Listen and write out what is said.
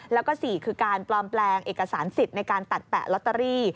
แล้วก็๔คือการปลอมแปลงเอกสารสิทธิ์ในการตัดแปะลอตเตอรี่